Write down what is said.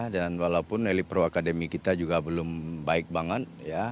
dan walaupun elk pro academy kita juga belum baik banget